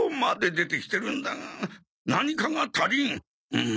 うん。